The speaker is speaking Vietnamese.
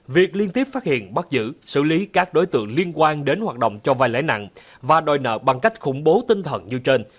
việc liên tiếp phát hiện bắt giữ xử lý các đối tượng liên quan đến hoạt động cho vai lãi nặng và đòi nợ bằng cách khủng bố tinh thần như trên